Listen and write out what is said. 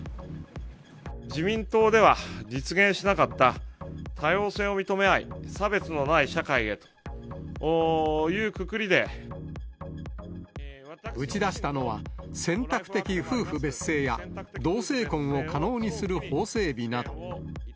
自民党では実現しなかった、多様性を認め合い、打ち出したのは、選択的夫婦別姓や同性婚を可能にする法整備など。